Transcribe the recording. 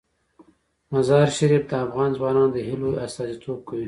مزارشریف د افغان ځوانانو د هیلو استازیتوب کوي.